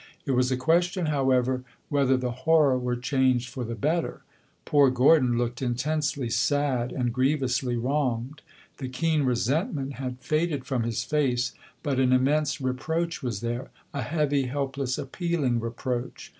It was a question, however, whether the horror were changed for the better. Poor Gordon looked intensely sad and grievously wronged. The keen resentment had faded from his face, but an immense reproach was there a heavy, helpless, appealing reproach.